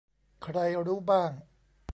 ใครรู้บ้าง